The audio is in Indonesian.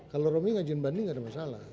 kalau romi ngajukan banding enggak ada masalah